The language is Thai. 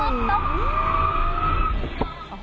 โอ้โฮ